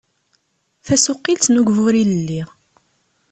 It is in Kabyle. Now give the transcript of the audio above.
Tasuqilt n ugbur ilelli.